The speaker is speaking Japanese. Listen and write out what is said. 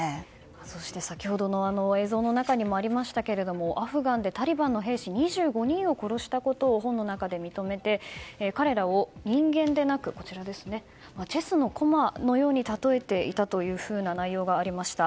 そして先ほどの映像の中にもありましたがアフガンでタリバンの兵士２５人を殺したことを本の中で認めて彼らを人間でなくチェスの駒のようにたとえていたというふうな内容がありました。